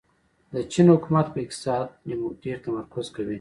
د چین حکومت په اقتصاد ډېر تمرکز کوي.